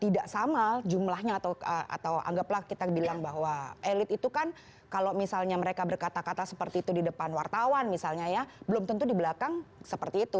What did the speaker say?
tidak sama jumlahnya atau anggaplah kita bilang bahwa elit itu kan kalau misalnya mereka berkata kata seperti itu di depan wartawan misalnya ya belum tentu di belakang seperti itu